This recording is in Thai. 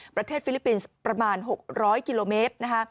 ฟิลิปปินส์ประมาณ๖๐๐กิโลเมตร